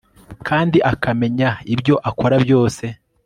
kandi akamenya ibyo bakora byose